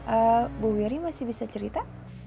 eh bu wiri masih bisa cerita